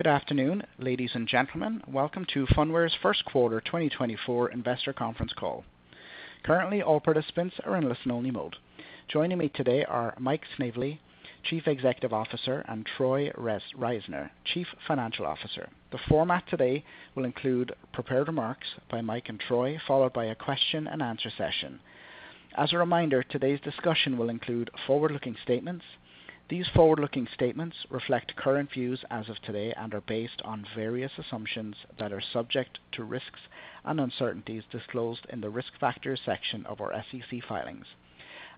Good afternoon, ladies and gentlemen. Welcome to Phunware's Q1 2024 Investor Conference Call. Currently, all participants are in listen-only mode. Joining me today are Mike Snavely, Chief Executive Officer, and Troy Reisner, Chief Financial Officer. The format today will include prepared remarks by Mike and Troy, followed by a question and answer session. As a reminder, today's discussion will include forward-looking statements. These forward-looking statements reflect current views as of today and are based on various assumptions that are subject to risks and uncertainties disclosed in the Risk Factors section of our SEC filings.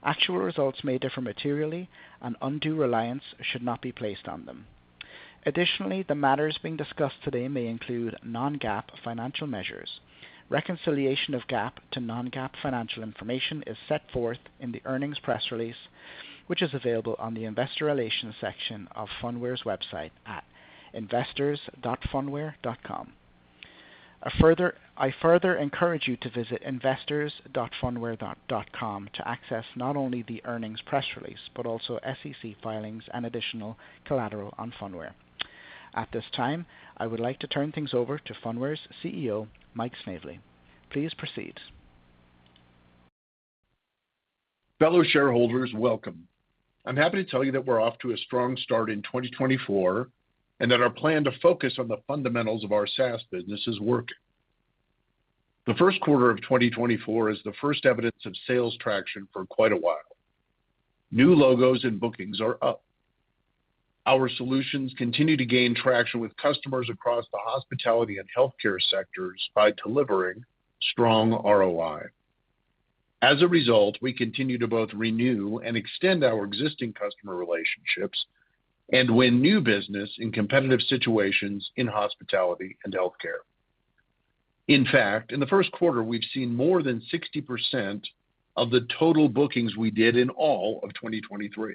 Actual results may differ materially, and undue reliance should not be placed on them. Additionally, the matters being discussed today may include non-GAAP financial measures. Reconciliation of GAAP to non-GAAP financial information is set forth in the earnings press release, which is available on the Investor Relations section of Phunware's website at investors.phunware.com. I further encourage you to visit investors.phunware.com to access not only the earnings press release, but also SEC filings and additional collateral on Phunware. At this time, I would like to turn things over to Phunware's CEO, Mike Snavely. Please proceed. Fellow shareholders, welcome. I'm happy to tell you that we're off to a strong start in 2024, and that our plan to focus on the fundamentals of our SaaS business is working. The Q1 of 2024 is the first evidence of sales traction for quite a while. New logos and bookings are up. Our solutions continue to gain traction with customers across the hospitality and healthcare sectors by delivering strong ROI. As a result, we continue to both renew and extend our existing customer relationships and win new business in competitive situations in hospitality and healthcare. In fact, in the Q1, we've seen more than 60% of the total bookings we did in all of 2023.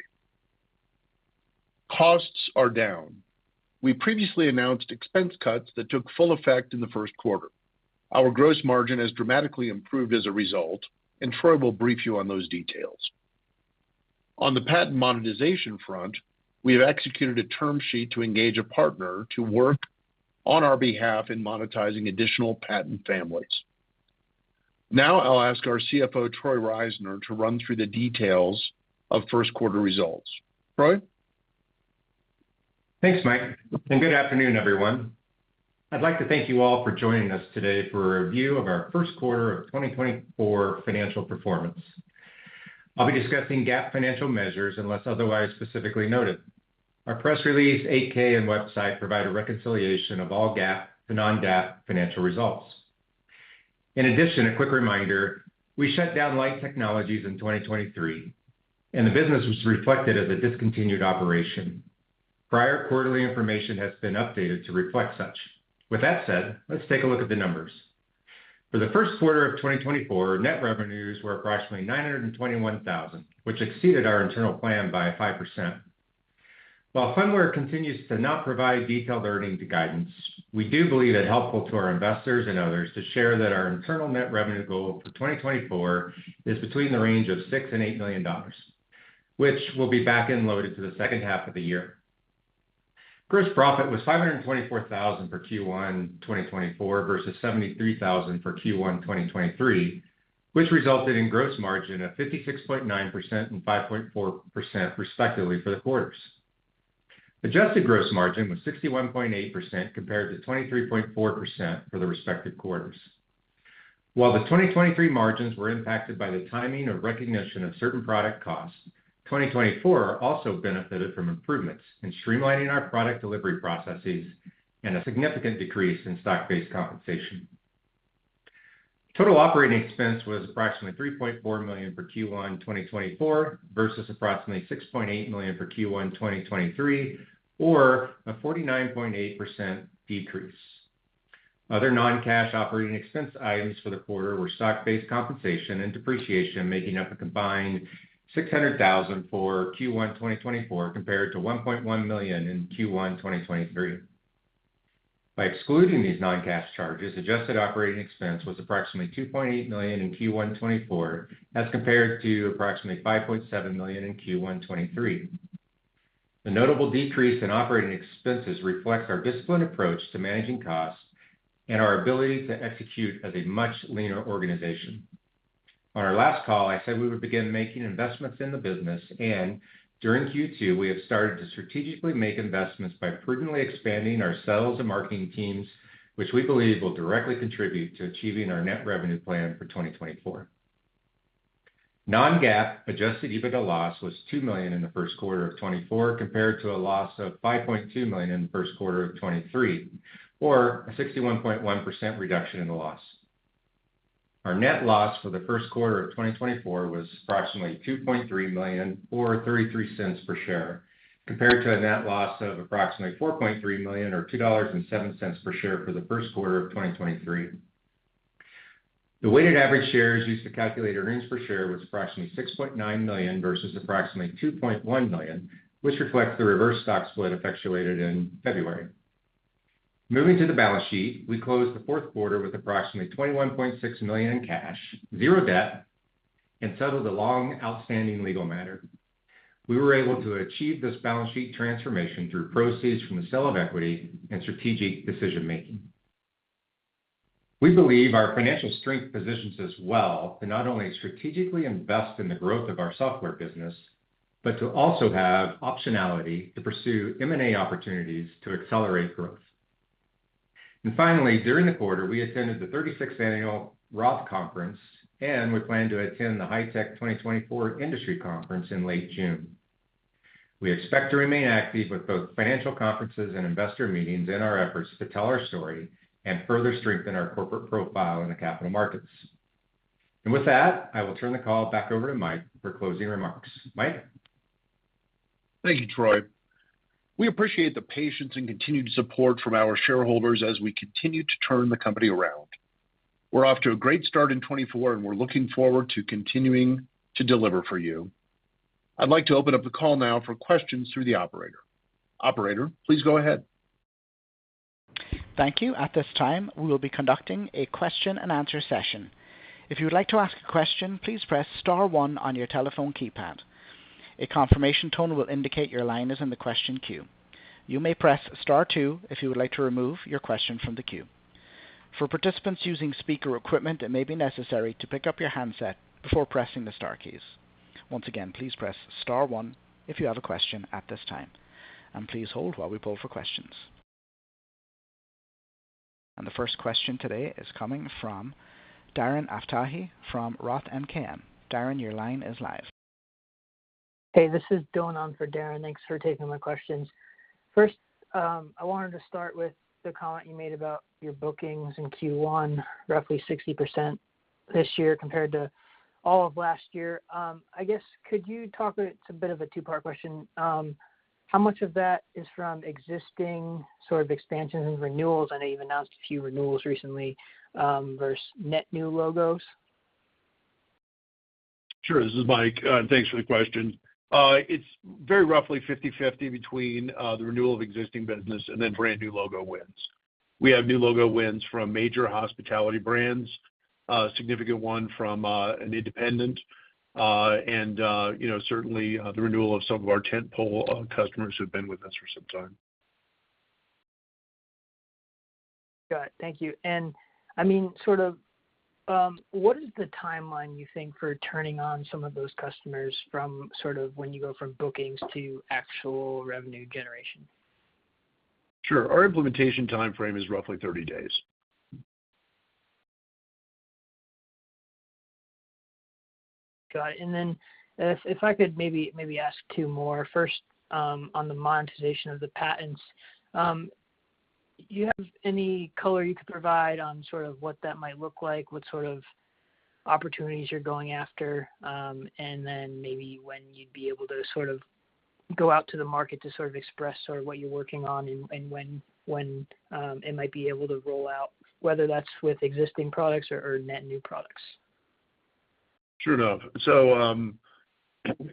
Costs are down. We previously announced expense cuts that took full effect in the Q1. Our gross margin has dramatically improved as a result, and Troy will brief you on those details. On the patent monetization front, we have executed a term sheet to engage a partner to work on our behalf in monetizing additional patent families. Now I'll ask our CFO, Troy Reisner, to run through the details of Q1 results. Troy? Thanks, Mike, and good afternoon, everyone. I'd like to thank you all for joining us today for a review of our Q1 of 2024 financial performance. I'll be discussing GAAP financial measures, unless otherwise specifically noted. Our press release, 8-K and website provide a reconciliation of all GAAP to non-GAAP financial results. In addition, a quick reminder, we shut down Lyte Technologies in 2023, and the business was reflected as a discontinued operation. Prior quarterly information has been updated to reflect such. With that said, let's take a look at the numbers. For the Q1 of 2024, net revenues were approximately $921,000, which exceeded our internal plan by 5%. While Phunware continues to not provide detailed earnings guidance, we do believe it helpful to our investors and others to share that our internal net revenue goal for 2024 is between the range of $6 million and $8 million, which will be back-end loaded to the H2 of the year. Gross profit was $524,000 for Q1 2024 versus $73,000 for Q1 2023, which resulted in gross margin of 56.9% and 5.4%, respectively, for the quarters. Adjusted gross margin was 61.8% compared to 23.4% for the respective quarters. While the 2023 margins were impacted by the timing or recognition of certain product costs, 2024 also benefited from improvements in streamlining our product delivery processes and a significant decrease in stock-based compensation. Total operating expense was approximately $3.4 million for Q1 2024, versus approximately $6.8 million for Q1 2023, or a 49.8% decrease. Other non-cash operating expense items for the quarter were stock-based compensation and depreciation, making up a combined $600,000 for Q1 2024, compared to $1.1 million in Q1 2023. By excluding these non-cash charges, adjusted operating expense was approximately $2.8 million in Q1 2024, as compared to approximately $5.7 million in Q1 2023. The notable decrease in operating expenses reflect our disciplined approach to managing costs and our ability to execute as a much leaner organization. On our last call, I said we would begin making investments in the business, and during Q2, we have started to strategically make investments by prudently expanding our sales and marketing teams, which we believe will directly contribute to achieving our net revenue plan for 2024. Non-GAAP adjusted EBITDA loss was $2,000,000 in the Q1 of 2024, compared to a loss of $5.2 million in the Q1 of 2023, or a 61.1% reduction in the loss. Our net loss for the Q1 of 2024 was approximately $2.3 million, or $0.33 per share, compared to a net loss of approximately $4.3 million, or $2.07 per share for the Q1 of 2023. The weighted average shares used to calculate earnings per share was approximately $6.9 million versus approximately $2.1 million, which reflects the reverse stock split effectuated in February. Moving to the balance sheet, we closed the Q4 with approximately $21.6 million in cash, 0 debt, and settled a long outstanding legal matter. We were able to achieve this balance sheet transformation through proceeds from the sale of equity and strategic decision making. We believe our financial strength positions us well to not only strategically invest in the growth of our software business, but to also have optionality to pursue M&A opportunities to accelerate growth. And finally, during the quarter, we attended the 36th annual Roth Conference, and we plan to attend the HITECH 2024 Industry Conference in late June. We expect to remain active with both financial conferences and investor meetings in our efforts to tell our story and further strengthen our corporate profile in the capital markets. With that, I will turn the call back over to Mike for closing remarks. Mike? Thank you, Troy. We appreciate the patience and continued support from our shareholders as we continue to turn the company around. We're off to a great start in 2024, and we're looking forward to continuing to deliver for you. I'd like to open up the call now for questions through the operator. Operator, please go ahead. Thank you, at this time, we will be conducting a question-and-answer session. If you would like to ask a question, please press star one on your telephone keypad. A confirmation tone will indicate your line is in the question queue. You may press star two if you would like to remove your question from the queue. For participants using speaker equipment, it may be necessary to pick up your handset before pressing the star keys. Once again, please press star one if you have a question at this time, and please hold while we pull for questions. The first question today is coming from Darren Aftahi from Roth MKM. Darren, your line is live. Hey, this is going on for Darren. Thanks for taking my questions. First, I wanted to start with the comment you made about your bookings in Q1, roughly 60% this year compared to all of last year. I guess could you talk. It's a bit of a two-part question. How much of that is from existing sort of expansions and renewals? I know you've announced a few renewals recently, versus net new logos. Sure, this is Mike, and thanks for the question. It's very roughly 50/50 between the renewal of existing business and then brand new logo wins. We have new logo wins from major hospitality brands, significant one from an independent, and, you know, certainly the renewal of some of our tent pole customers who've been with us for some time. Got it. Thank you. I mean, sort of, what is the timeline you think, for turning on some of those customers from sort of when you go from bookings to actual revenue generation? Sure. Our implementation timeframe is roughly 30 days. Got it. And then if I could maybe ask two more. First, on the monetization of the patents, do you have any color you could provide on sort of what that might look like, what sort of opportunities you're going after, and then maybe when you'd be able to sort of go out to the market to sort of express sort of what you're working on and when it might be able to roll out, whether that's with existing products or net new products? Sure enough. So,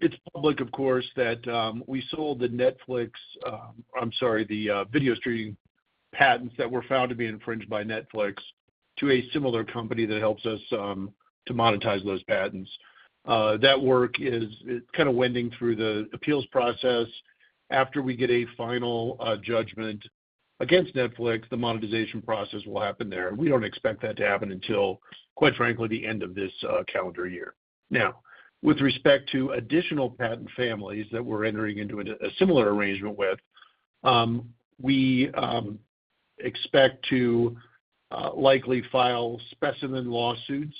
it's public, of course, that we sold the Netflix—I'm sorry, the video streaming patents that were found to be infringed by Netflix to a similar company that helps us to monetize those patents. That work is kind of wending through the appeals process. After we get a final judgment against Netflix, the monetization process will happen there, and we don't expect that to happen until, quite frankly, the end of this calendar year. Now, with respect to additional patent families that we're entering into a similar arrangement with, we expect to likely file specimen lawsuits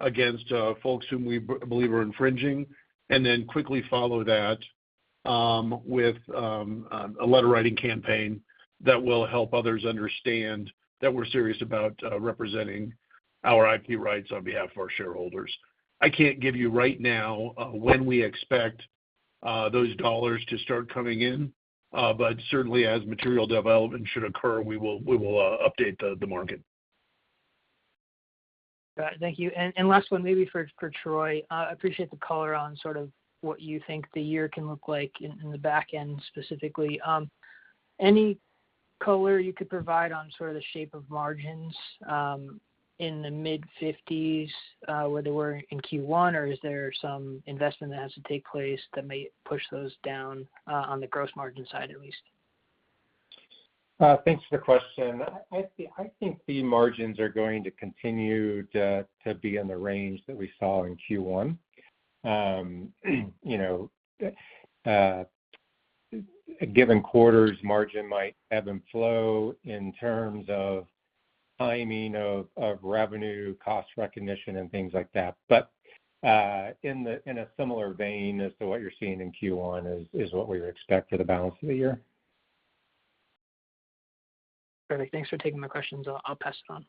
against folks whom we believe are infringing, and then quickly follow that with a letter-writing campaign that will help others understand that we're serious about representing our IP rights on behalf of our shareholders. I can't give you right now when we expect those dollars to start coming in, but certainly as material development should occur, we will update the market. Got it. Thank you, and last one, maybe for Troy. I appreciate the color on sort of what you think the year can look like in the back end specifically. Any color you could provide on sort of the shape of margins in the mid-fifties, where they were in Q1, or is there some investment that has to take place that may push those down on the gross margin side at least? Thanks for the question, I think the margins are going to continue to be in the range that we saw in Q1. You know, a given quarter's margin might ebb and flow in terms of timing of revenue, cost recognition, and things like that. But, in a similar vein as to what you're seeing in Q1 is what we would expect for the balance of the year. Perfect. Thanks for taking my questions. I'll, I'll pass it on.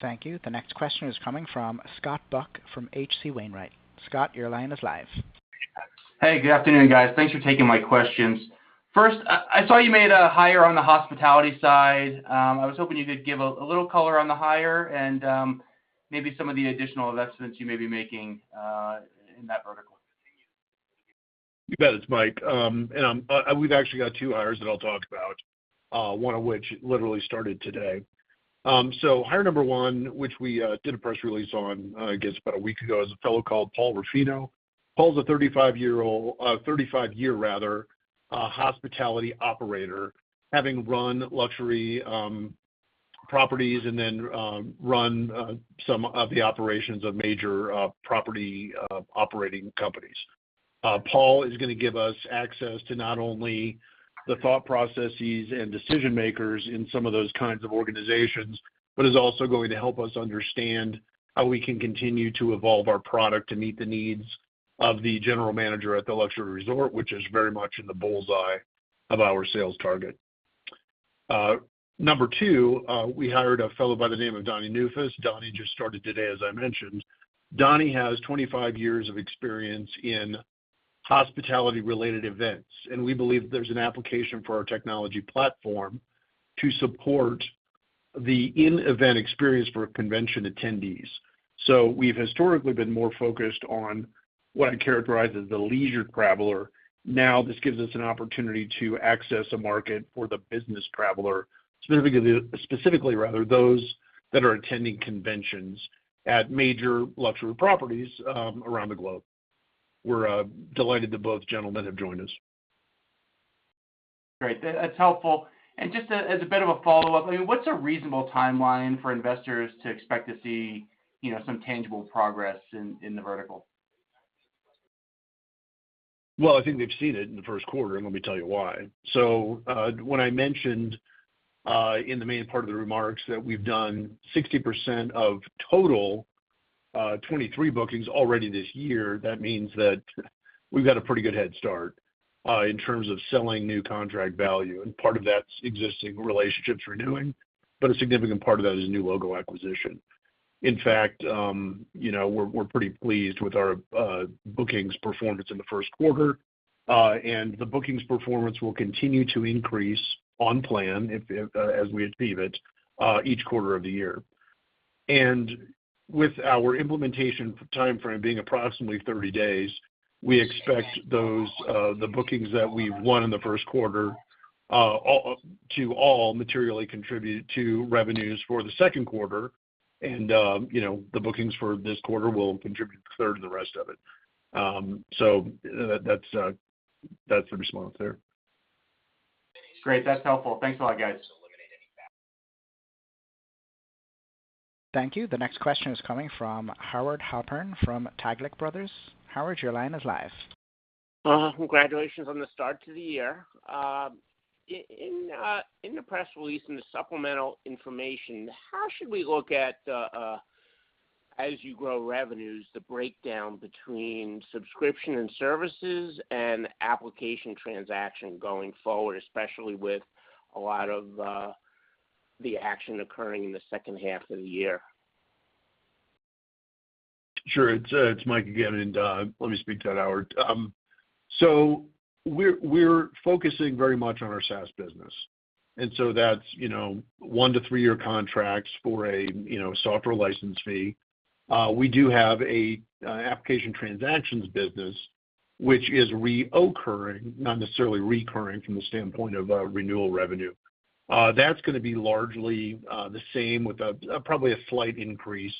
Thank you. The next question is coming from Scott Buck from H.C. Wainwright. Scott, your line is live. Hey, good afternoon, guys. Thanks for taking my questions. First, I saw you made a hire on the hospitality side. I was hoping you could give a little color on the hire and, maybe some of the additional investments you may be making, in that vertical. You bet, it's Mike. We've actually got two hires that I'll talk about, one of which literally started today. So hire number one, which we did a press release on, I guess about a week ago, is a fellow called Paul Ruffino. Paul's a 35-year-old, 35 year rather, hospitality operator, having run luxury properties and then run some of the operations of major property operating companies. Paul is gonna give us access to not only the thought processes and decision makers in some of those kinds of organizations, but is also going to help us understand how we can continue to evolve our product to meet the needs of the general manager at the luxury resort, which is very much in the bull's eye of our sales target. Number two, we hired a fellow by the name of Donny Neufuss. Donny just started today, as I mentioned. Donny has 25 years of experience in hospitality-related events, and we believe there's an application for our technology platform to support the in-event experience for convention attendees. So we've historically been more focused on what I characterize as the leisure traveler. Now, this gives us an opportunity to access a market for the business traveler, specifically, specifically rather, those that are attending conventions at major luxury properties, around the globe. We're delighted that both gentlemen have joined us. Great, that, that's helpful. Just as a bit of a follow-up, I mean, what's a reasonable timeline for investors to expect to see, you know, some tangible progress in the vertical? Well, I think they've seen it in the Q1, and let me tell you why. So, when I mentioned, in the main part of the remarks that we've done 60% of total 2023 bookings already this year, that means that we've got a pretty good head start, in terms of selling new contract value, and part of that's existing relationships renewing, but a significant part of that is new logo acquisition. In fact, you know, we're, we're pretty pleased with our, bookings performance in the Q1. And the bookings performance will continue to increase on plan if, as we achieve it, each quarter of the year. With our implementation timeframe being approximately 30 days, we expect those, the bookings that we've won in the Q1, all to all materially contribute to revenues for the Q2. You know, the bookings for this quarter will contribute a third to the rest of it. So that's the response there. Great. That's helpful. Thanks a lot, guys. Thank you. The next question is coming from Howard Halpern from Taglich Brothers. Howard, your line is live. Congratulations on the start to the year. In the press release, in the supplemental information, how should we look at as you grow revenues, the breakdown between subscription and services and application transaction going forward, especially with a lot of the action occurring in the H2 of the year? Sure. It's Mike again, and let me speak to that, Howard. So we're focusing very much on our SaaS business, and so that's, you know, 1-3-year contracts for a, you know, software license fee. We do have a application transactions business, which is recurring, not necessarily recurring from the standpoint of renewal revenue. That's gonna be largely the same with probably a slight increase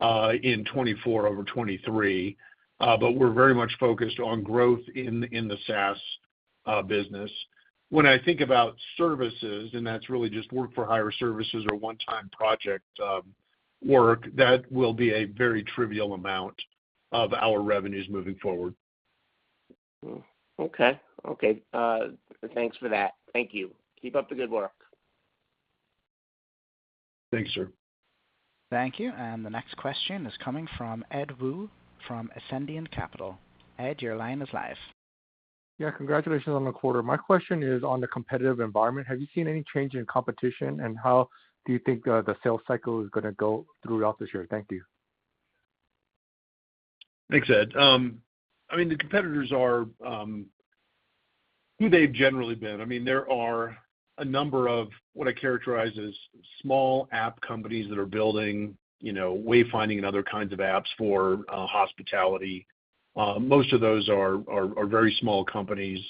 in 2024 over 2023. But we're very much focused on growth in the SaaS business. When I think about services, and that's really just work for hire services or one-time project work, that will be a very trivial amount of our revenues moving forward. Okay. Okay, thanks for that. Thank you. Keep up the good work. Thank you, sir. Thank you, and the next question is coming from Ed Woo, from Ascendiant Capital. Ed, your line is live. Yeah, congratulations on the quarter. My question is on the competitive environment. Have you seen any change in competition, and how do you think the sales cycle is gonna go throughout this year? Thank you. Thanks, Ed. I mean, the competitors are who they've generally been. I mean, there are a number of what I characterize as small app companies that are building, you know, wayfinding and other kinds of apps for hospitality. Most of those are very small companies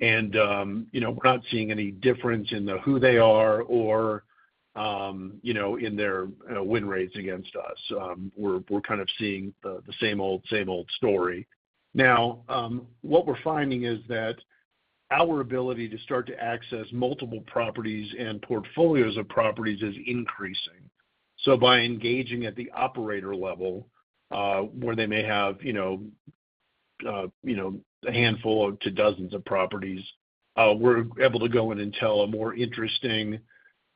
and, you know, we're not seeing any difference in who they are or, you know, in their win rates against us. We're kind of seeing the same old, same old story. Now, what we're finding is that our ability to start to access multiple properties and portfolios of properties is increasing. So by engaging at the operator level, where they may have, you know, you know, a handful to dozens of properties, we're able to go in and tell a more interesting,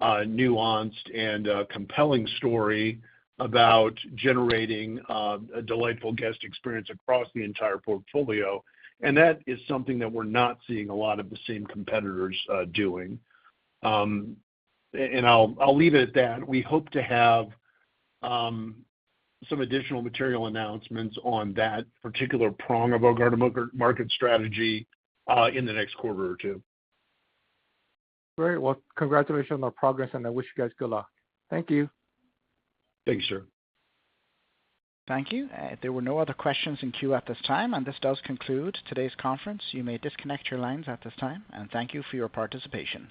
nuanced and, compelling story about generating, a delightful guest experience across the entire portfolio, and that is something that we're not seeing a lot of the same competitors, doing. And I'll, I'll leave it at that. We hope to have, some additional material announcements on that particular prong of our go-to-market strategy, in the next quarter or two. Great. Well, congratulations on the progress, and I wish you guys good luck. Thank you. Thank you, sir. Thank you. There were no other questions in queue at this time, and this does conclude today's conference. You may disconnect your lines at this time, and thank you for your participation.